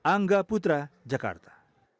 angga putra jakarta